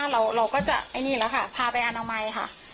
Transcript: เราก็จะไอ้นี่แล้วค่ะพาไปอนามัยค่ะ